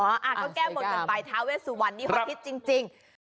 น่ารักเนอะก็แก้บหมดจนไปถ้าเวทสู่วันนี้พอทิศจริง